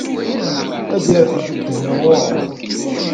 Ad d-yerr ḥedd ddhen ɣur-m.